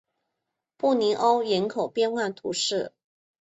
布尼欧人口变化图示